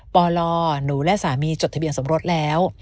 ปลหนูและสามีจดทะเบียนสมรสแล้ว